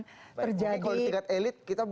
terjadi kalau di tingkat elit kita